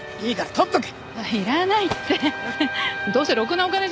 取っとけ。